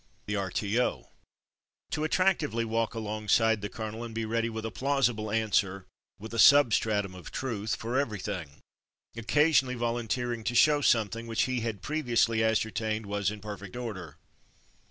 The R.T.O. : To attractively walk along side the colonel and be ready with a plausi ble answer — ^with a substratum of truth — for everything ; occasionally volunteering to show something which he had previously ascertained was in perfect order.